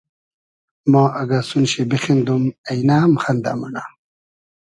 ما اگۂ سون شی بیخیندوم اݷنۂ ام خئندۂ مونۂ